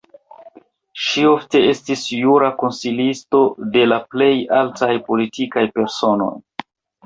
Ŝi ofte estis jura konsilisto de la plej altaj politikaj personoj.